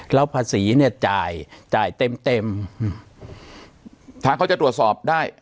แล้วภาษีเนี่ยจ่ายจ่ายเต็มเต็มทางเขาจะตรวจสอบได้